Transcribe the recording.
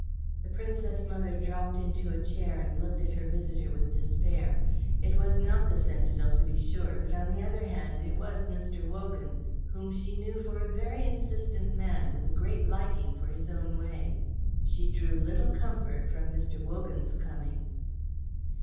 The Princess mother dropped into a chair and looked at her visitor with despair. It was not the sentinel, to be sure, but, on the other hand, it was Mr. Wogan, whom she knew for a very insistent man with a great liking for his own way. She drew little comfort from Mr. Wogan's coming.